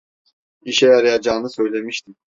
İşe yarayacağını söylemiştim.